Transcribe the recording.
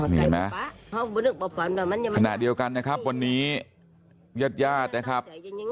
เห็นไหมขณะเดียวกันนะครับวันนี้ญาติญาตินะครับ